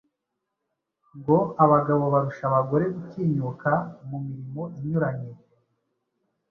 Ngo abagabo barusha abagore gutinyuka mu mirimo inyuranye.